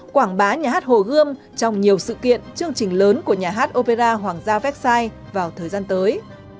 quảng bá nhà hát hồ gươm trong nhiều sự kiện chương trình lớn của nhà hát opera hoàng gia vecsai vào thời gian tới